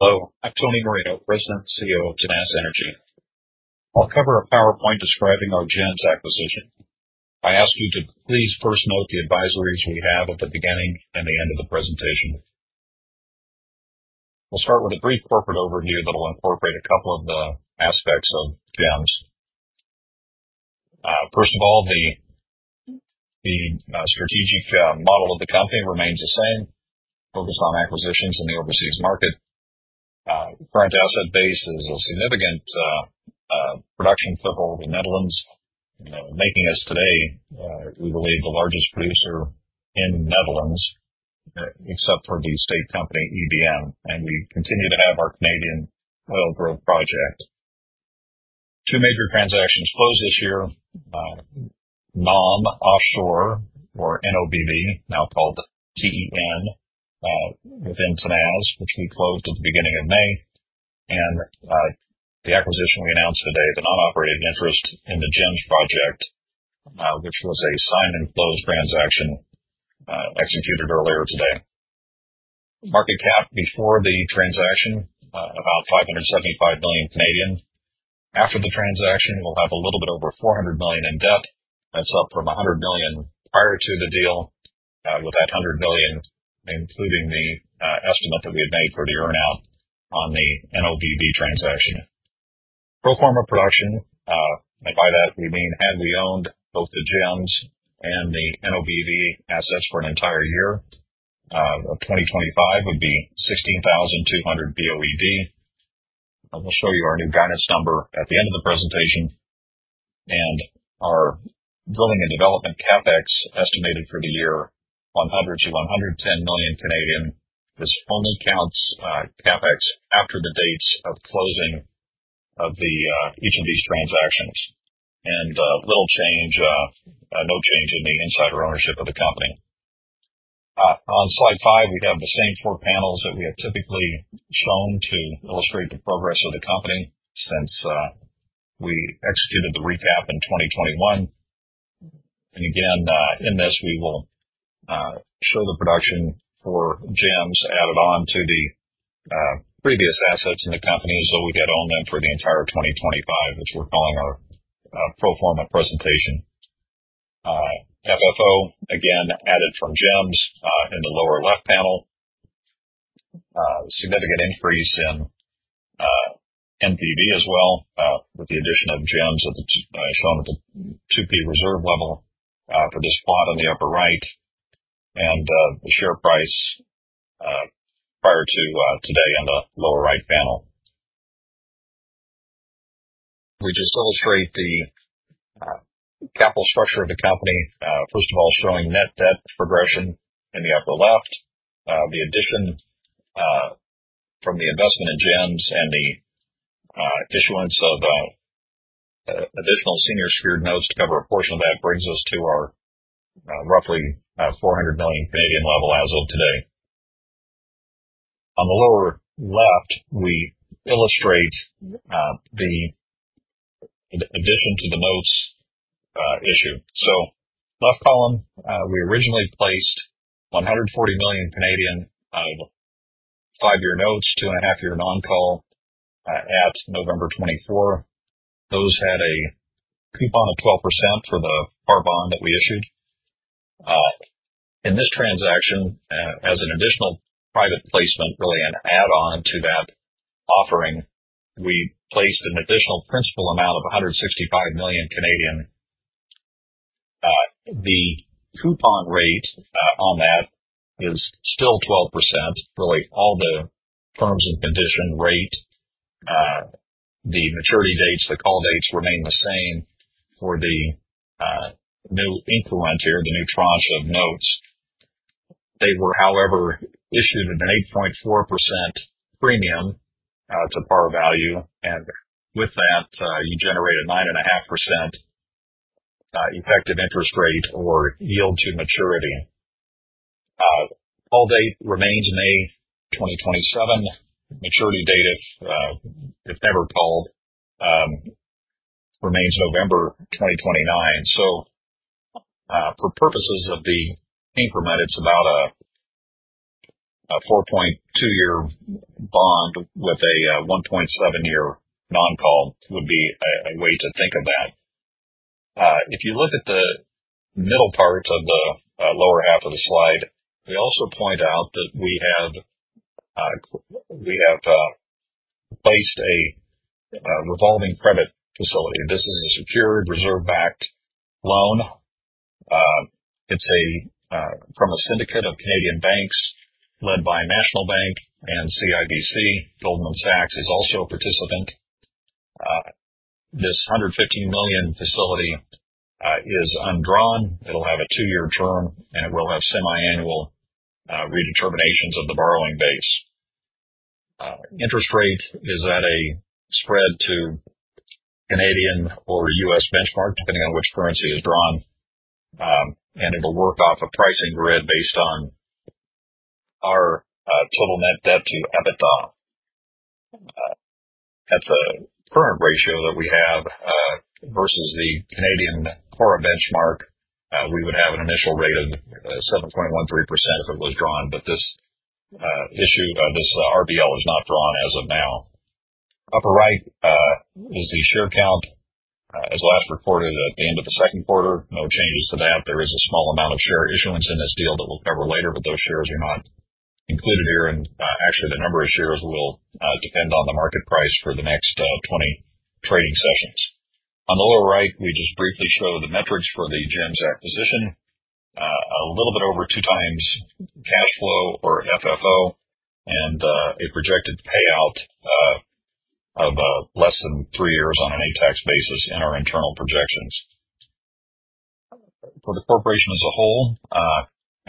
Hello. I'm Tony Marino, President and CEO of Tenaz Energy. I'll cover a PowerPoint describing our GEMS acquisition. I ask you to please first note the advisories we have at the beginning and the end of the presentation. We'll start with a brief corporate overview that will incorporate a couple of the aspects of GEMS. First of all, the strategic model of the company remains the same, focused on acquisitions in the overseas market. The current asset base is a significant production foothold in the Netherlands, making us today, we believe, the largest producer in the Netherlands, except for the state company EBN, and we continue to have our Canadian oil growth project. Two major transactions closed this year: NAM Offshore, or NOBV, now called TEN, within Tenaz, which we closed at the beginning of May. The acquisition we announced today, the non-operated interest in the GEMS project, which was a sign-and-close transaction executed earlier today. Market cap before the transaction: about 575 million. After the transaction, we'll have a little bit over 400 million in debt. That's up from 100 million prior to the deal, with that 100 million including the estimate that we had made for the earnout on the NOBV transaction. Proforma production, and by that we mean had we owned both the GEMS and the NOBV assets for an entire year, 2025 would be 16,200 BOE/D. I will show you our new guidance number at the end of the presentation. Our drilling and development CapEx estimated for the year: 100 million-CAD110 million, this only counts CapEx after the dates of closing of each of these transactions. Little change, no change in the insider ownership of the company. On slide five, we have the same four panels that we have typically shown to illustrate the progress of the company since we executed the recap in 2021, and again, in this, we will show the production for GEMS added on to the previous assets in the company, so we had owned them for the entire 2025, which we're calling our pro forma presentation. FFO, again, added from GEMS in the lower left panel. Significant increase in NPV as well, with the addition of GEMS shown at the 2P reserve level for this plot on the upper right, and the share price prior to today on the lower right panel. We just illustrate the capital structure of the company, first of all showing net debt progression in the upper left. The addition from the investment in GEMS and the issuance of additional senior secured notes to cover a portion of that brings us to our roughly 400 million level as of today. On the lower left, we illustrate the addition to the notes issue, so left column, we originally placed 140 million of five-year notes, two-and-a-half-year non-call at November 2024. Those had a coupon of 12% for the car bond that we issued. In this transaction, as an additional private placement, really an add-on to that offering, we placed an additional principal amount of 165 million. The coupon rate on that is still 12%. Really, all the terms and conditions rate, the maturity dates, the call dates remain the same for the new increment here, the new tranche of notes. They were, however, issued at an 8.4% premium to par value. With that, you generate a 9.5% effective interest rate or yield to maturity. Call date remains May 2027. Maturity date, if never called, remains November 2029. For purposes of the instrument, it's about a 4.2-year bond with a 1.7-year non-call would be a way to think of that. If you look at the middle part of the lower half of the slide, we also point out that we have placed a revolving credit facility. This is a secured reserve-based loan. It's from a syndicate of Canadian banks led by National Bank and CIBC. Goldman Sachs is also a participant. This 115 million facility is undrawn. It'll have a two-year term, and it will have semiannual redeterminations of the borrowing base. Interest rate is at a spread to Canadian or U.S. benchmark, depending on which currency is drawn. And it'll work off a pricing grid based on our total net debt to EBITDA. At the current ratio that we have versus the Canadian CORRA benchmark, we would have an initial rate of 7.13% if it was drawn. But this RBL is not drawn as of now. Upper right is the share count as last reported at the end of the second quarter. No changes to that. There is a small amount of share issuance in this deal that we'll cover later, but those shares are not included here. And actually, the number of shares will depend on the market price for the next 20 trading sessions. On the lower right, we just briefly show the metrics for the GEMS acquisition: a little bit over two times cash flow or FFO and a projected payout of less than three years on an ATAX basis in our internal projections. For the corporation as a whole,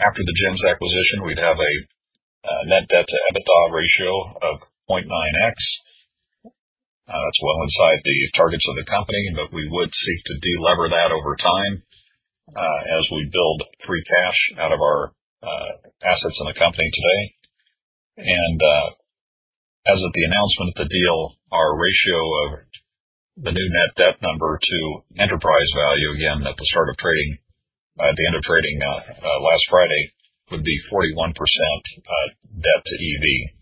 after the GEMS acquisition, we'd have a net debt to EBITDA ratio of 0.9x. That's well inside the targets of the company, but we would seek to delever that over time as we build free cash out of our assets in the company today. And as of the announcement of the deal, our ratio of the new net debt number to enterprise value, again, at the start of trading, at the end of trading last Friday, would be 41% debt to EV.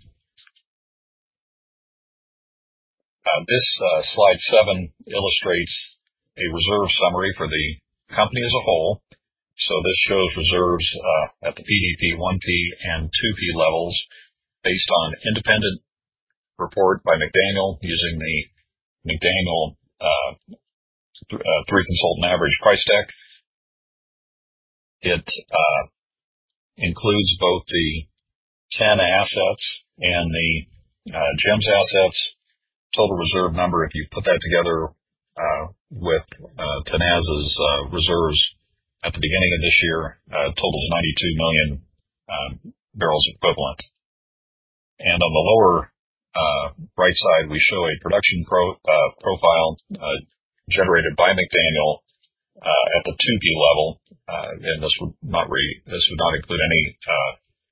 This slide seven illustrates a reserve summary for the company as a whole. So this shows reserves at the PDP 1P and 2P levels based on an independent report by McDaniel using the McDaniel three-consultant average price deck. It includes both the TEN assets and the GEMS assets. Total reserve number, if you put that together with Tenaz's reserves at the beginning of this year, totals 92 million equivalent, and on the lower right side, we show a production profile generated by McDaniel at the 2P level, and this would not include any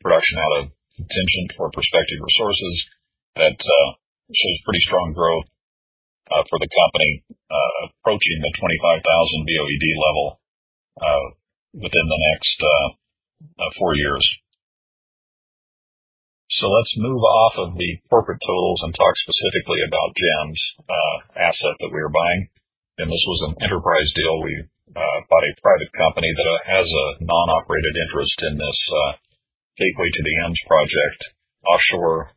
production out of contingent or prospective resources. That shows pretty strong growth for the company approaching the 25,000 BOE/D level within the next four years, so let's move off of the corporate totals and talk specifically about GEMS asset that we are buying. This was an enterprise deal. We bought a private company that has a non-operated interest in this Gateway to the Ems project offshore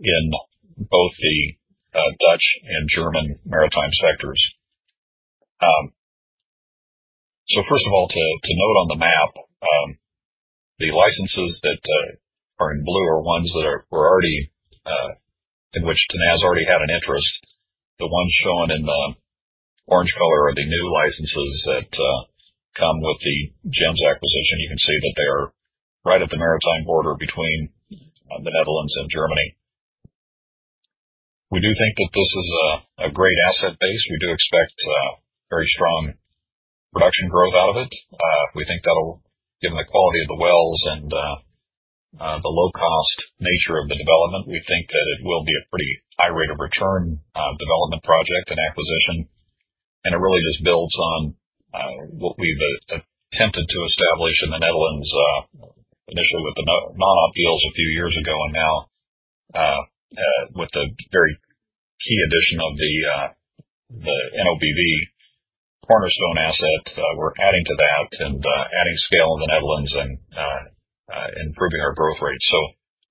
in both the Dutch and German maritime sectors, so first of all, to note on the map, the licenses that are in blue are ones that were already TEN which Tenaz already had an interest. The ones shown in the orange color are the new licenses that come with the GEMS acquisition. You can see that they are right at the maritime border between the Netherlands and Germany. We do think that this is a great asset base. We do expect very strong production growth out of it. We think that'll, given the quality of the wells and the low-cost nature of the development, we think that it will be a pretty high rate of return development project and acquisition. And it really just builds on what we've attempted to establish in the Netherlands initially with the non-op deals a few years ago. And now, with the very key addition of the NOBV cornerstone asset, we're adding to that and adding scale in the Netherlands and improving our growth rate. So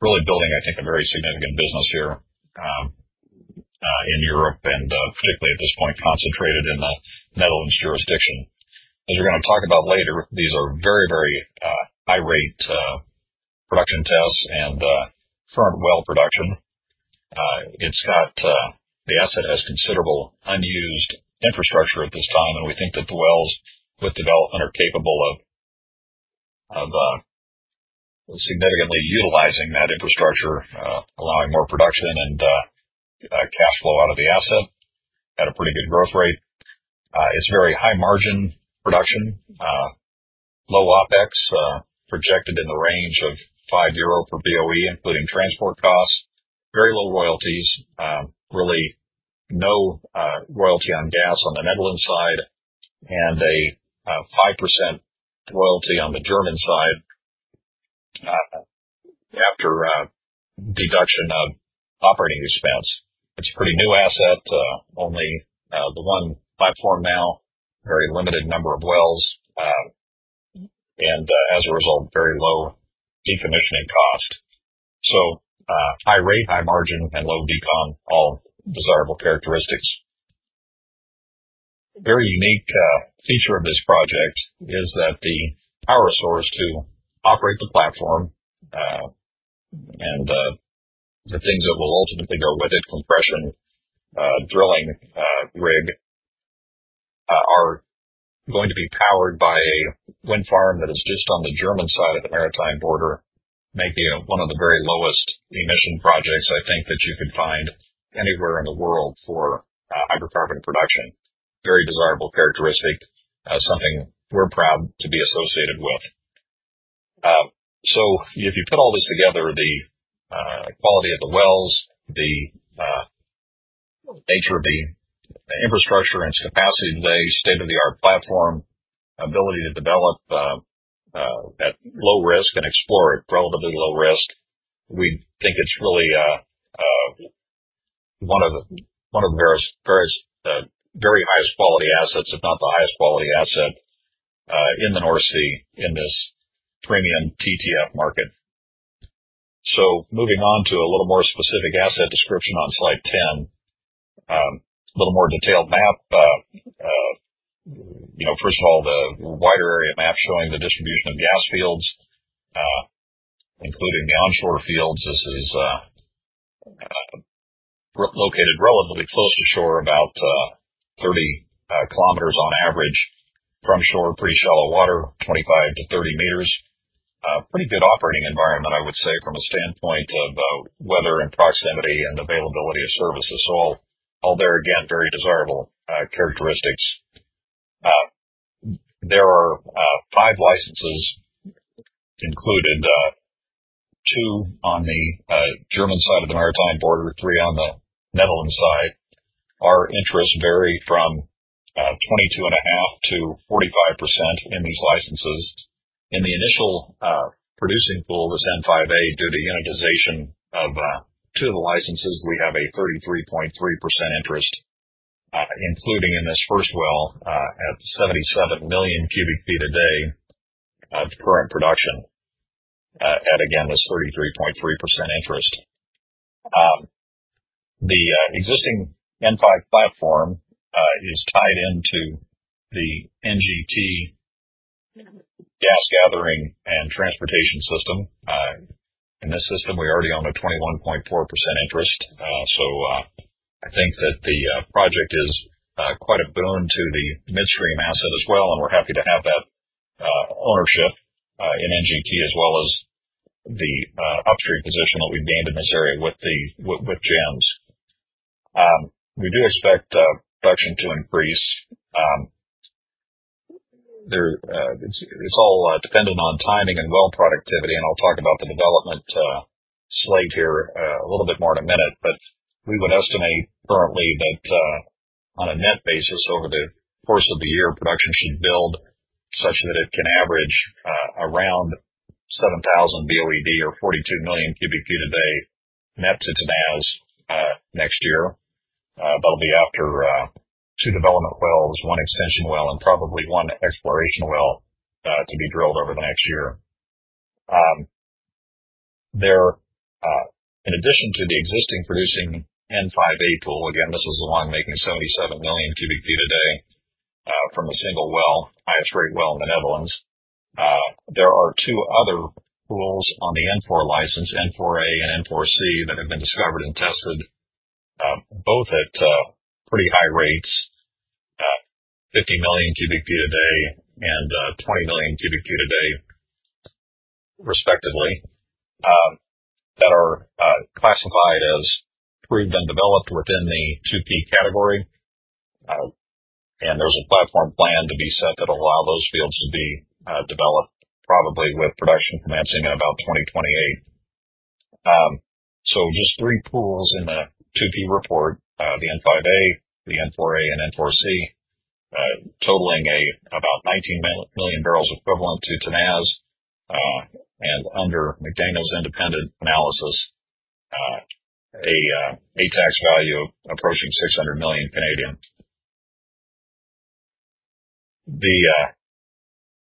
really building, I think, a very significant business here in Europe, and particularly at this point concentrated in the Netherlands jurisdiction. As we're going to talk about later, these are very, very high-rate production tests and current well production. The asset has considerable unused infrastructure at this time. And we think that the wells with development are capable of significantly utilizing that infrastructure, allowing more production and cash flow out of the asset at a pretty good growth rate. It's very high-margin production, low OpEx projected in the range of CAD 5 per BOE, including transport costs, very low royalties, really no royalty on gas on the Netherlands side, and a 5% royalty on the German side after deduction of operating expense. It's a pretty new asset, only the one platform now, very limited number of wells, and as a result, very low decommissioning cost. So high rate, high margin, and low decom, all desirable characteristics. Very unique feature of this project is that the power source to operate the platform and the things that will ultimately go with it, compression, drilling rig, are going to be powered by a wind farm that is just on the German side of the maritime border, making it one of the very lowest emission projects, I think, that you could find anywhere in the world for hydrocarbon production. Very desirable characteristic, something we're proud to be associated with. So if you put all this together, the quality of the wells, the nature of the infrastructure and its capacity today, state-of-the-art platform, ability to develop at low risk and explore at relatively low risk, we think it's really one of the very highest quality assets, if not the highest quality asset in the North Sea in this premium TTF market. So moving on to a little more specific asset description on slide 10, a little more detailed map. First of all, the wider area map showing the distribution of gas fields, including the onshore fields. This is located relatively close to shore, about 30 km on average from shore, pretty shallow water, 25 m-30 m. Pretty good operating environment, I would say, from a standpoint of weather and proximity and availability of services. So all there, again, very desirable characteristics. There are five licenses included, two on the German side of the maritime border, three on the Netherlands side. Our interests vary from 22.5%-45% in these licenses. In the initial producing pool, this N05-A, due to unitization of two of the licenses, we have a 33.3% interest, including in this first well at 77 million cubic feet a day of current production at, again, this 33.3% interest. The existing N5 platform is tied into the NGT gas gathering and transportation system. In this system, we're already on a 21.4% interest, so I think that the project is quite a boon to the midstream asset as well, and we're happy to have that ownership in NGT as well as the upstream position that we've gained in this area with GEMS. We do expect production to increase. It's all dependent on timing and well productivity. I'll talk about the development slate here a little bit more in a minute. We would estimate currently that on a net basis over the course of the year, production should build such that it can average around 7,000 BOE/D or 42 million cubic feet a day net to Tenaz next year. That'll be after two development wells, one extension well, and probably one exploration well to be drilled over the next year. In addition to the existing producing N05-A pool, again, this is the one making 77 million cubic feet a day from a single well, highest rate well in the Netherlands. There are two other pools on the N4 license, N4A and N4C, that have been discovered and tested both at pretty high rates, 50 million cubic feet a day and 20 million cubic feet a day, respectively, that are classified as proved and developed within the 2P category, and there's a platform plan to be set that'll allow those fields to be developed, probably with production commencing in about 2028, so just three pools in the 2P report, the N05A, the N4A, and N4C, totaling about 19 million barrels equivalent to Tenaz and under McDaniel's independent analysis, an ATAX value approaching CAD 600 million,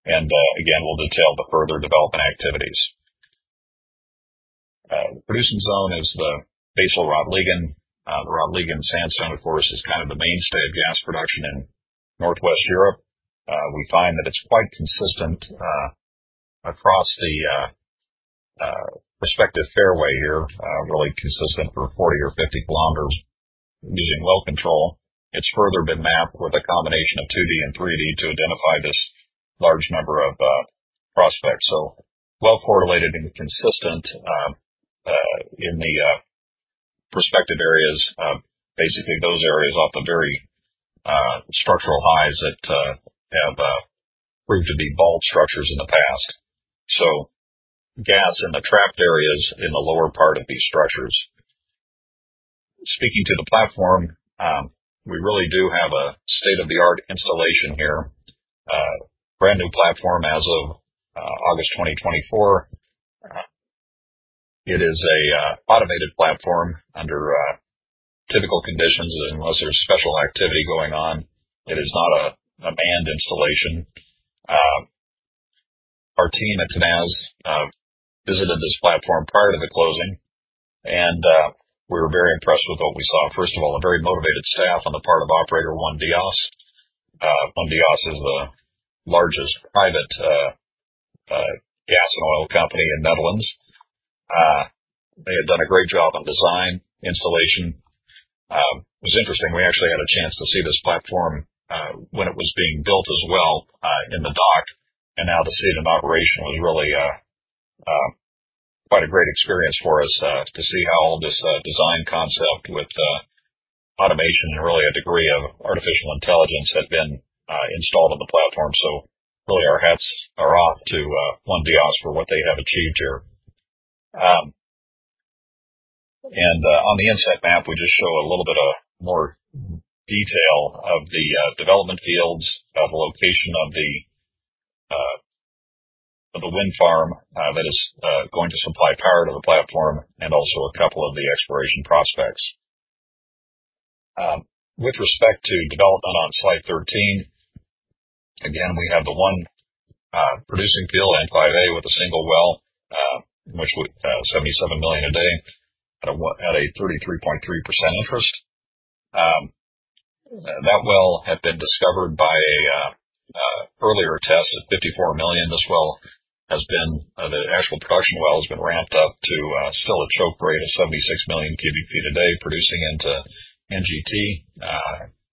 and again, we'll detail the further development activities. The producing zone is the basal Rotliegend. The Rotliegend Sandstone, of course, is kind of the mainstay of gas production in Northwest Europe. We find that it's quite consistent across the prospective fairway here, really consistent for 40 km or 50 km using well control. It's further been mapped with a combination of 2D and 3D to identify this large number of prospects, so well correlated and consistent in the prospective areas, basically those areas off the very structural highs that have proved to be bald structures in the past, so gas in the trapped areas in the lower part of these structures. Speaking to the platform, we really do have a state-of-the-art installation here, brand new platform as of August 2024. It is an automated platform under typical conditions. Unless there's special activity going on, it is not a manned installation. Our team at Tenaz visited this platform prior to the closing, and we were very impressed with what we saw. First of all, a very motivated staff on the part of operator ONE-Dyas. ONE-Dyas is the largest private gas and oil company in Netherlands. They had done a great job on design, installation. It was interesting. We actually had a chance to see this platform when it was being built as well in the dock, and now it, seen in operation, was really quite a great experience for us to see how all this design concept with automation and really a degree of artificial intelligence had been installed on the platform, so really, our hats are off to ONE-Dyas for what they have achieved here, and on the inset map, we just show a little bit more detail of the development fields, of the location of the wind farm that is going to supply power to the platform, and also a couple of the exploration prospects. With respect to development on slide 13, again, we have the one producing field, N05A, with a single well, which 77 million a day at a 33.3% interest. That well had been discovered by an earlier test at 54 million. This well, the actual production well, has been ramped up to still a choke rate of 76 million cubic feet a day, producing into NGT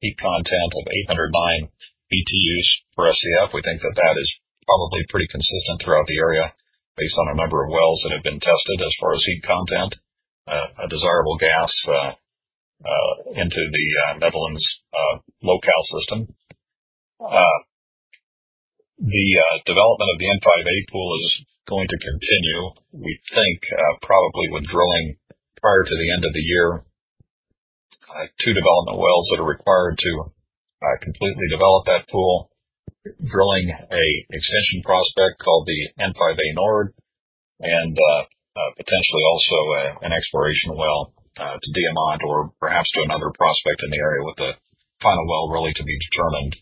heat content of 809 BTUs per SCF. We think that that is probably pretty consistent throughout the area based on a number of wells that have been tested as far as heat content, a desirable gas into the Netherlands local system. The development of the N05-A pool is going to continue, we think, probably with drilling prior to the end of the year, two development wells that are required to completely develop that pool, drilling an extension prospect called the N05-A-Noord, and potentially also an exploration well to Diamant or perhaps to another prospect in the area, with the final well really to be determined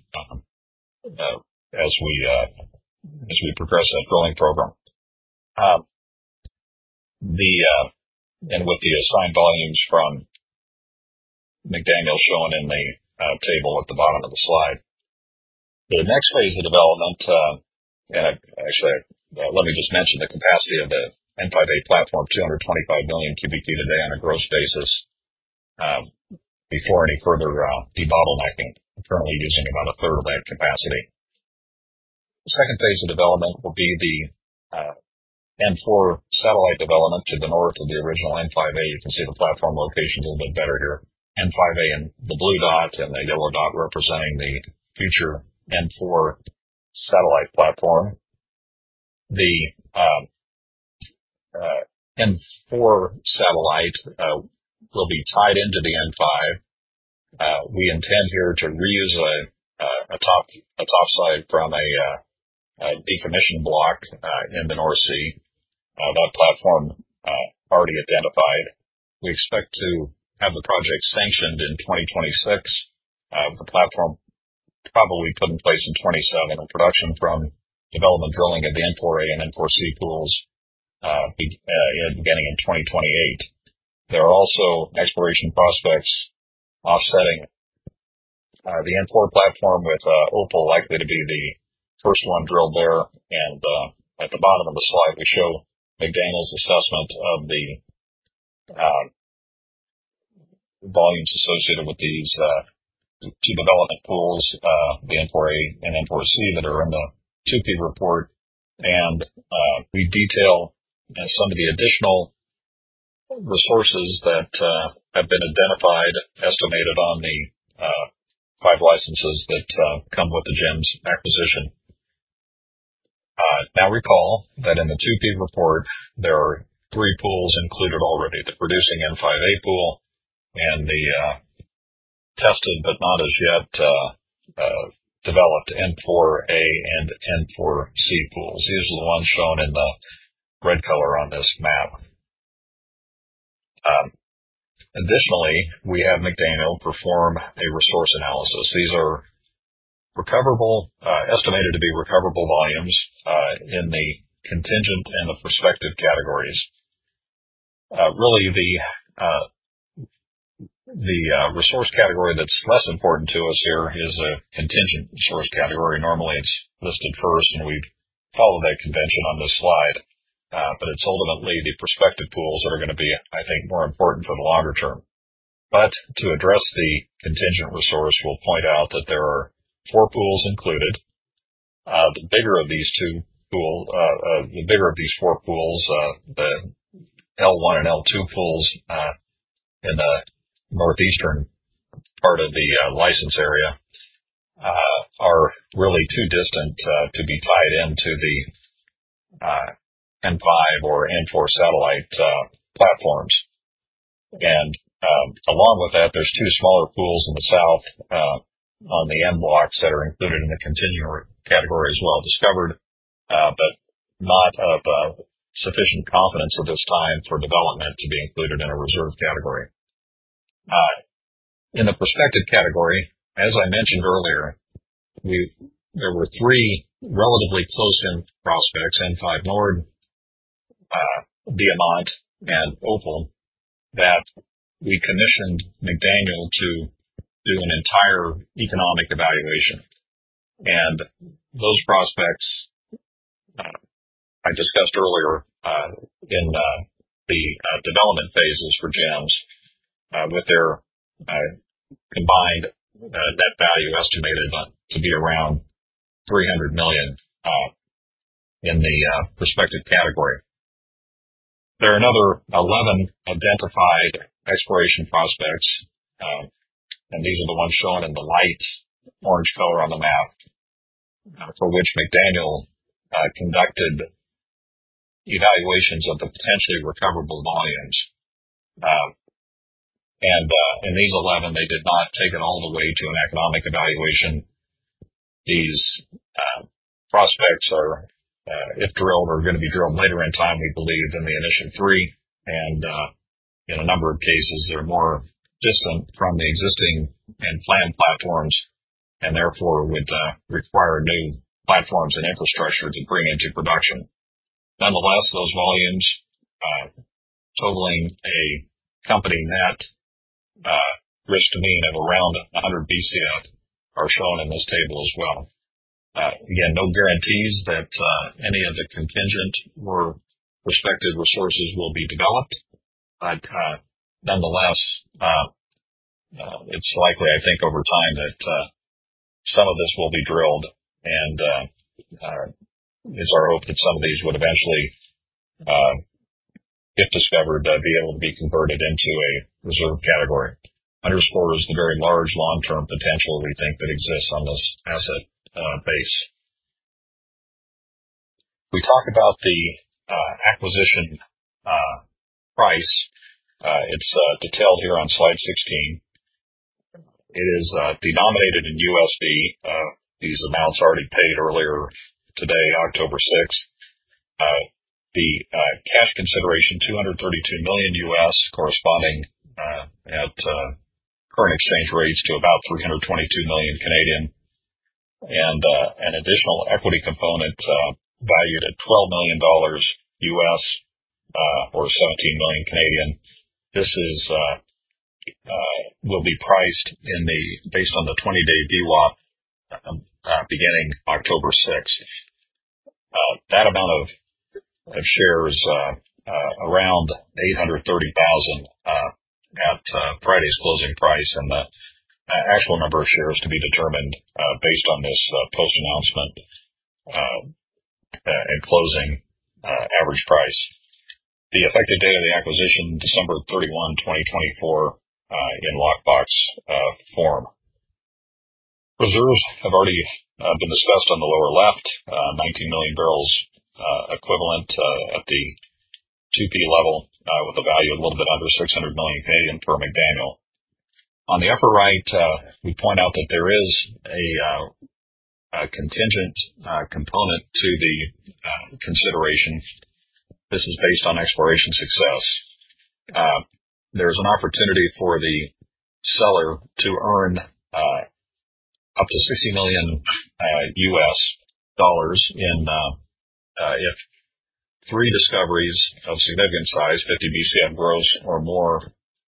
as we progress that drilling program. And with the assigned volumes from McDaniel shown in the table at the bottom of the slide, the next phase of development, and actually, let me just mention the capacity of the N05-A platform, 225 million cubic feet a day on a gross basis before any further debottlenecking. We're currently using about a third of that capacity. The second phase of development will be the N4 satellite development to the north of the original N05-A. You can see the platform locations a little bit better here. N05-A and the blue dot and the yellow dot representing the future N4 satellite platform. The N4 satellite will be tied into the N5. We intend here to reuse a topside from a decommissioned block in the North Sea. That platform already identified. We expect to have the project sanctioned in 2026, with the platform probably put in place in 2027, and production from development drilling of the N4A and N4C pools beginning in 2028. There are also exploration prospects offsetting the N4 platform with Opal likely to be the first one drilled there, and at the bottom of the slide, we show McDaniel's assessment of the volumes associated with these two development pools, the N4A and N4C, that are in the 2P report. We detail some of the additional resources that have been identified, estimated on the five licenses that come with the GEMS acquisition. Now, recall that in the 2P report, there are three pools included already, the producing N05-A pool and the tested but not as yet developed N4A and N4C pools. These are the ones shown in the red color on this map. Additionally, we have McDaniel perform a resource analysis. These are estimated to be recoverable volumes in the contingent and the prospective categories. Really, the resource category that's less important to us here is a contingent resource category. Normally, it's listed first, and we follow that convention on this slide. To address the contingent resource, we'll point out that there are four pools included. The bigger of these two pools, the bigger of these four pools, the L1 and L2 pools in the northeastern part of the license area are really too distant to be tied into the N5 or N4 satellite platforms, and along with that, there's two smaller pools in the south on the end blocks that are included in the contingent category as well discovered, but not of sufficient confidence at this time for development to be included in a reserve category. In the prospective category, as I mentioned earlier, there were three relatively close-in prospects, N05-Noord, Diamant, and Opal, that we commissioned McDaniel to do an entire economic evaluation, and those prospects I discussed earlier in the development phases for GEMS, with their combined net value estimated to be around 300 million in the prospective category. There are another 11 identified exploration prospects, and these are the ones shown in the light orange color on the map for which McDaniel conducted evaluations of the potentially recoverable volumes. And in these 11, they did not take it all the way to an economic evaluation. These prospects, if drilled, are going to be drilled later in time, we believe, than the initial three. And in a number of cases, they're more distant from the existing and planned platforms and therefore would require new platforms and infrastructure to bring into production. Nonetheless, those volumes totaling a company net risk to mean of around 100 BCF are shown in this table as well. Again, no guarantees that any of the contingent or prospective resources will be developed. But nonetheless, it's likely, I think, over time that some of this will be drilled. And it's our hope that some of these would eventually, if discovered, be able to be converted into a reserve category. Underscores the very large long-term potential we think that exists on this asset base. We talk about the acquisition price. It's detailed here on slide 16. It is denominated in USD. These amounts already paid earlier today, October 6th. The cash consideration, $232 million, corresponding at current exchange rates to about 322 million, and an additional equity component valued at $12 million or 17 million. This will be priced based on the 20-day VWAP beginning October 6th. That amount of shares is around 830,000 at Friday's closing price, and the actual number of shares to be determined based on this post-announcement and closing average price. The effective date of the acquisition, December 31, 2024, in lockbox form. Reserves have already been discussed on the lower left, 19 million barrels equivalent at the 2P level with a value a little bit under 600 million for McDaniel. On the upper right, we point out that there is a contingent component to the consideration. This is based on exploration success. There is an opportunity for the seller to earn up to $60 million if three discoveries of significant size, 50 BCF gross or more,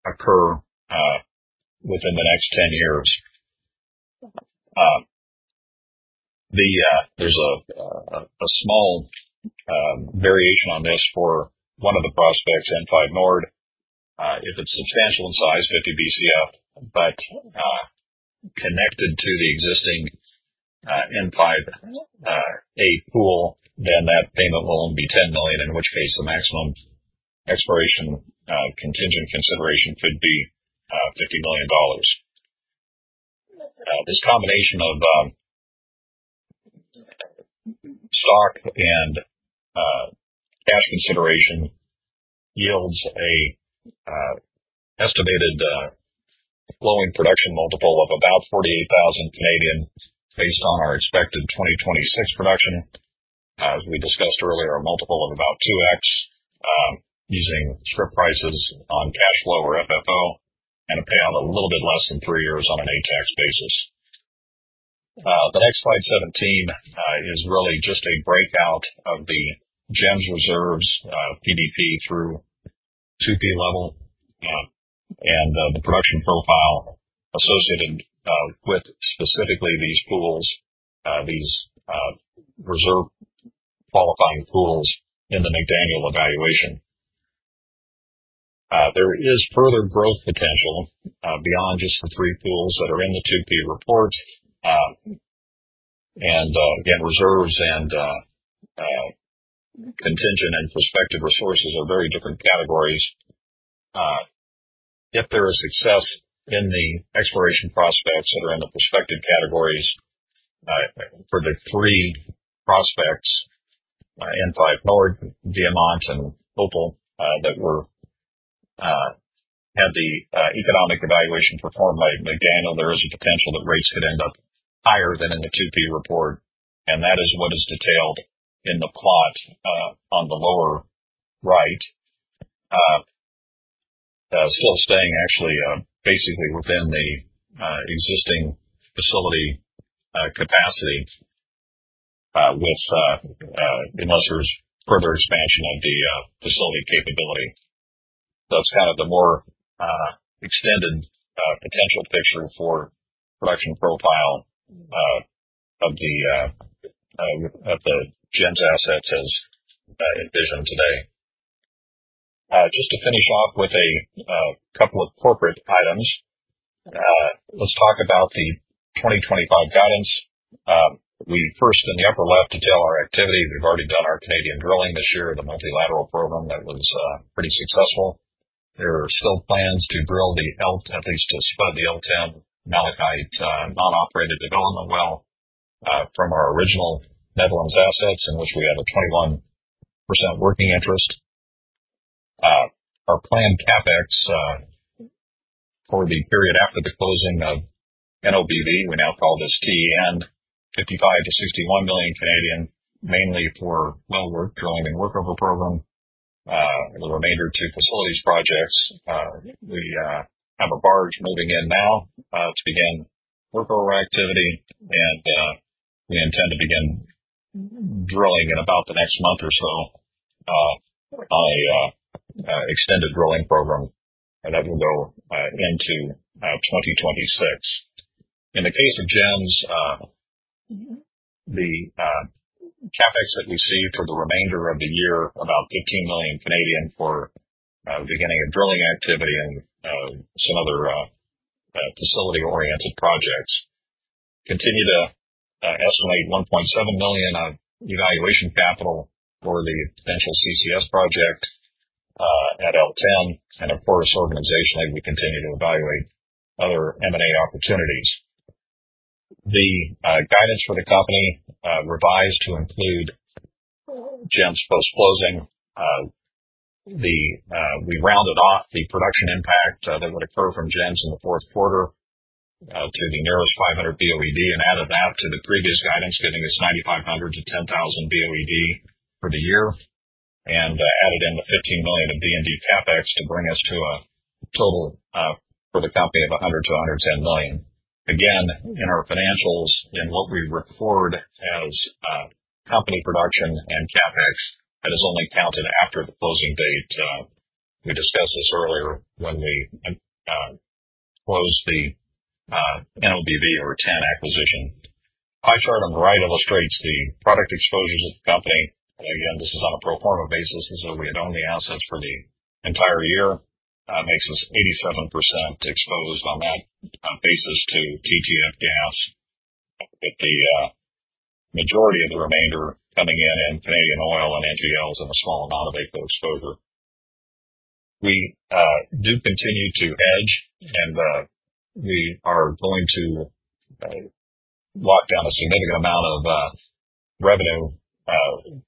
occur within the next 10 years. There's a small variation on this for one of the prospects, N05-A-Noord. If it's substantial in size, 50 BCF, but connected to the existing N05-A pool, then that payment will only be $10 million, in which case the maximum exploration contingent consideration could be $50 million. This combination of stock and cash consideration yields an estimated flowing production multiple of about 48,000 based on our expected 2026 production. As we discussed earlier, a multiple of about 2X using strip prices on cash flow or FFO and a payout a little bit less than three years on an ATAX basis. The next slide, 17, is really just a breakout of the GEMS reserves PDP through 2P level and the production profile associated with specifically these pools, these reserve qualifying pools in the McDaniel evaluation. There is further growth potential beyond just the three pools that are in the 2P report. And again, reserves and contingent and prospective resources are very different categories. If there is success in the exploration prospects that are in the prospective categories for the three prospects, N05-A-Noord, Diamant, and Opal that had the economic evaluation performed by McDaniel, there is a potential that rates could end up higher than in the 2P report, and that is what is detailed in the plot on the lower right, still staying actually basically within the existing facility capacity unless there's further expansion of the facility capability. That's kind of the more extended potential picture for production profile of the GEMS assets as envisioned today. Just to finish off with a couple of corporate items, let's talk about the 2025 guidance. We first, in the upper left, detail our activity. We've already done our Canadian drilling this year, the multilateral program that was pretty successful. There are still plans to drill at least to spud the L10-Malachite non-operated development well from our original Netherlands assets in which we have a 21% working interest. Our planned CapEx for the period after the closing of NOBV, we now call this TEN, 55 million-61 million, mainly for well work drilling and workover program. The remainder to facilities projects. We have a barge moving in now to begin workover activity, and we intend to begin drilling in about the next month or so on an extended drilling program that will go into 2026. In the case of GEMS, the CapEx that we see for the remainder of the year, about 15 million for the beginning of drilling activity and some other facility-oriented projects, continue to estimate 1.7 million evaluation capital for the potential CCS project at L10. Of course, organizationally, we continue to evaluate other M&A opportunities. The guidance for the company revised to include GEMS post-closing. We rounded off the production impact that would occur from GEMS in the fourth quarter to the nearest 500 BOE/D and added that to the previous guidance, getting us 9,500-10,000 BOE/D for the year, and added in the 15 million of D&D CapEx to bring us to a total for the company of 100 million-110 million. Again, in our financials, in what we record as company production and CapEx, that is only counted after the closing date. We discussed this earlier when we closed the NOBV or TEN acquisition. Pie chart on the right illustrates the product exposures of the company. Again, this is on a pro forma basis. This is as we had only assets for the entire year. Makes us 87% exposed on that basis to TTF gas, with the majority of the remainder coming in Canadian oil and NGLs and a small amount of AECO exposure. We do continue to hedge, and we are going to lock down a significant amount of revenue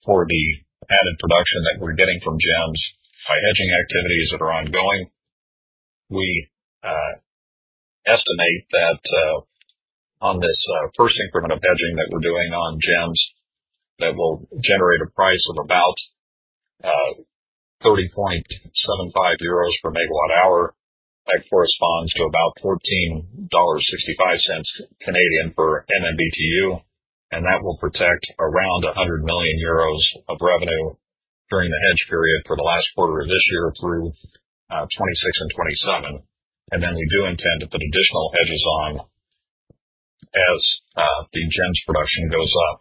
for the added production that we're getting from GEMS by hedging activities that are ongoing. We estimate that on this first increment of hedging that we're doing on GEMS, that will generate a price of about 30.75 euros per megawatt hour. That corresponds to about 14.65 Canadian dollars for MMBTU. And that will protect around 100 million euros of revenue during the hedge period for the last quarter of this year through 2026 and 2027. And then we do intend to put additional hedges on as the GEMS production goes up.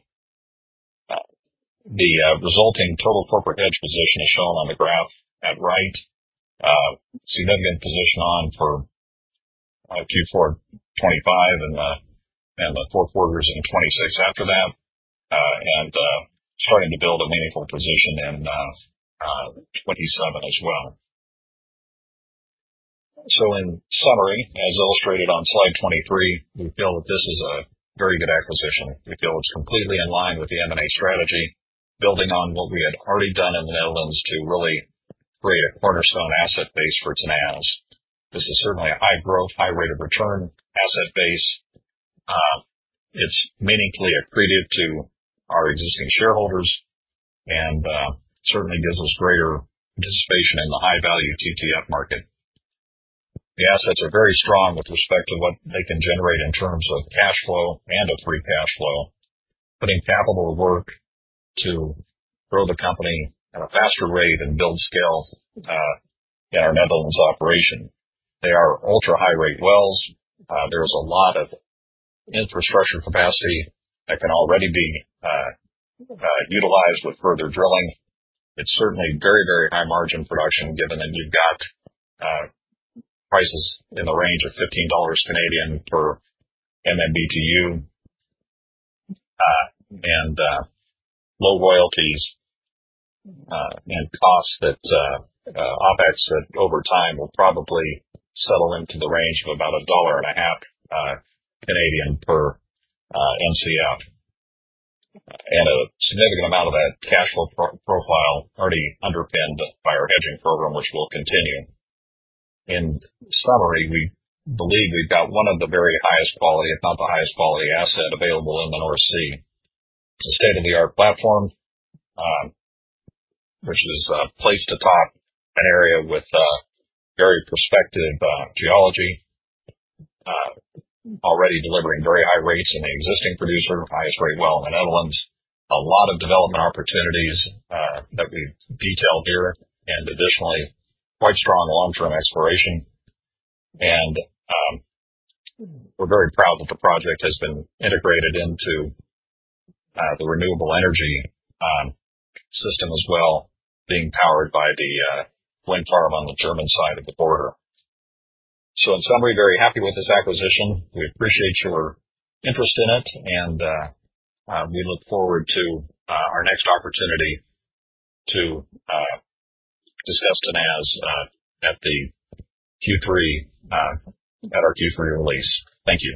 The resulting total corporate hedge position is shown on the graph at right. Significant position on for Q4 2025 and the four quarters and 2026 after that, and starting to build a meaningful position in 2027 as well. So in summary, as illustrated on slide 23, we feel that this is a very good acquisition. We feel it's completely in line with the M&A strategy, building on what we had already done in the Netherlands to really create a cornerstone asset base for Tenaz. This is certainly a high growth, high rate of return asset base. It's meaningfully accretive to our existing shareholders and certainly gives us greater participation in the high-value TTF market. The assets are very strong with respect to what they can generate in terms of cash flow and of free cash flow, putting capital work to grow the company at a faster rate and build scale in our Netherlands operation. They are ultra high-rate wells. There is a lot of infrastructure capacity that can already be utilized with further drilling. It's certainly very, very high margin production given that you've got prices in the range of CAD 15 for MMBTU and low royalties and OpEx costs that over time will probably settle into the range of about CAD 1.50 per MCF, and a significant amount of that cash flow profile already underpinned by our hedging program, which will continue. In summary, we believe we've got one of the very highest quality, if not the highest quality asset available in the North Sea. It's a state-of-the-art platform, which is placed atop an area with very prospective geology, already delivering very high rates in the existing producer, highest rate well in the Netherlands. A lot of development opportunities that we've detailed here, and additionally, quite strong long-term exploration. And we're very proud that the project has been integrated into the renewable energy system as well, being powered by the wind farm on the German side of the border. So in summary, very happy with this acquisition. We appreciate your interest in it, and we look forward to our next opportunity to discuss Tenaz at the Q3, at our Q3 release. Thank you.